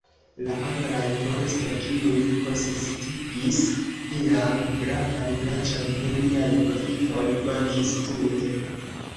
La Anglaj turistoj, kiuj konsistigis iam gravan branĉon de niaj profitoj, mankis tute.